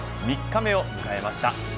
大会は３日目を迎えました